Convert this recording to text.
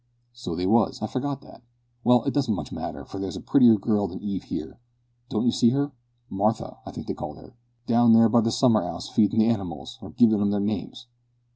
"So they was. I forgot that. Well, it don't much matter, for there's a prettier girl than Eve here. Don't you see her? Martha, I think they called her down there by the summer 'ouse, feedin' the hanimals, or givin' 'em their names."